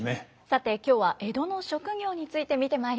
さて今日は江戸の職業について見てまいりました。